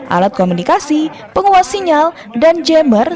alat komunikasi penguas sinyal dan jammer